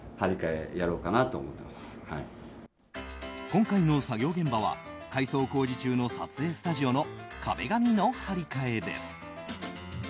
今回の作業現場は改装工事中の撮影スタジオの壁紙の貼り替えです。